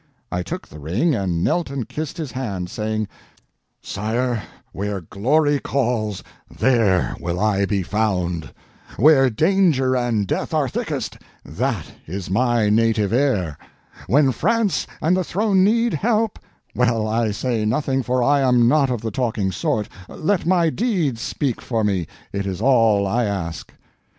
I took the ring, and knelt and kissed his hand, saying, 'Sire, where glory calls, there will I be found; where danger and death are thickest, that is my native air; when France and the throne need help—well, I say nothing, for I am not of the talking sort—let my deeds speak for me, it is all I ask.'